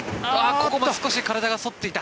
ここも少し体が反っていた。